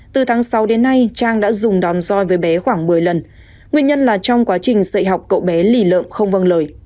từ tháng sáu đến nay trang đã dùng đòn roi với bé khoảng một mươi lần nguyên nhân là trong quá trình dạy học cậu bé lì lợm không văng lời